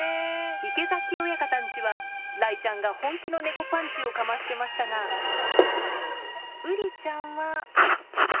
池崎親方んちは、雷ちゃんが本気の猫パンチをかましてましたが、ウリちゃんは。